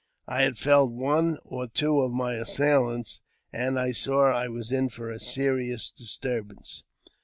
I had felled one or two of my assailants, and I saw I was in for a serious disturbance.